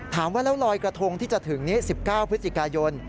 ถามว่าแล้วลอยกระทงที่จะถึงนี้๑๙พฤศจิกายน